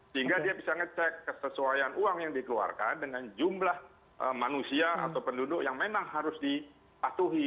sehingga dia bisa ngecek kesesuaian uang yang dikeluarkan dengan jumlah manusia atau penduduk yang memang harus dipatuhi